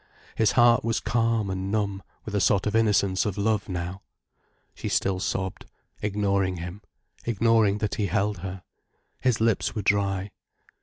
His heart was calm and numb with a sort of innocence of love, now. She still sobbed, ignoring him, ignoring that he held her. His lips were dry.